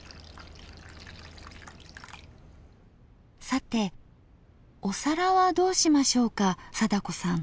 さてお皿はどうしましょうか貞子さん。